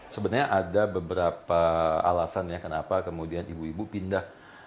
sebenarnya ada beberapa alasan ya kenapa kemudian ibu ibu pindah